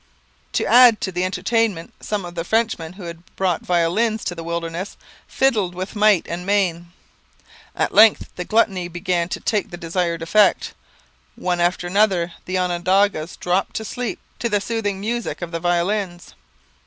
To add to the entertainment, some of the Frenchmen, who had brought violins to the wilderness, fiddled with might and main. At length the gluttony began to take the desired effect: one after another the Onondagas dropped to sleep to the soothing music of the violins.